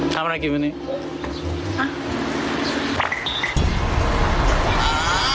ทำอะไรกินวันนี้